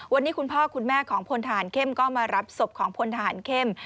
วันนี้คุณพ่อคุณแม่ของพลฐานเข้มก็มารับศพของพลทหารเข้ม